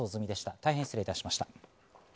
大変失礼いたしました。